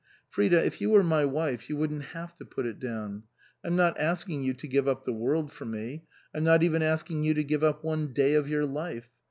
" Frida, if you were my wife you wouldn't have to put it down. I'm not asking you to give up the world for me ; I'm not even asking you to give up one day of your life.